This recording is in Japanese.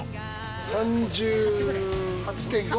３８．５。